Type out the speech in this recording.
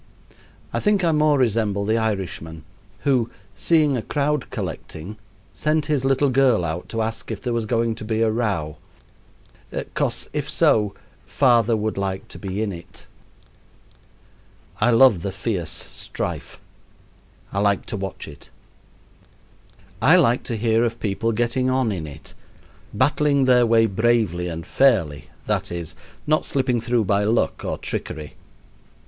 I think I more resemble the Irishman who, seeing a crowd collecting, sent his little girl out to ask if there was going to be a row "'Cos, if so, father would like to be in it." I love the fierce strife. I like to watch it. I like to hear of people getting on in it battling their way bravely and fairly that is, not slipping through by luck or trickery.